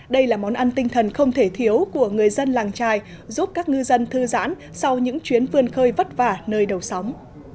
đây là món ăn tinh thần không thể thiếu của người dân làng trài giúp các ngư dân thư giãn sau những chuyến vươn khơi vất vả nơi đầu sóng